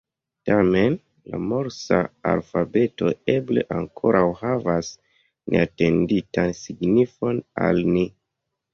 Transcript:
Tamen la morsa alfabeto eble ankoraŭ havas neatenditan signifon al ni.